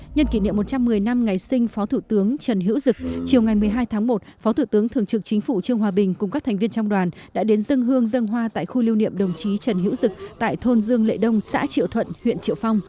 nhân kỷ niệm một trăm một mươi năm ngày sinh phó thủ tướng trần hiễu dực chiều ngày một mươi hai tháng một phó thủ tướng thường trực chính phủ trương hòa bình cùng các thành viên trong đoàn đã đến dân hương dân hoa tại khu lưu niệm đồng chí trần hiễu dực tại thôn dương lệ đông xã triệu thuận huyện triệu phong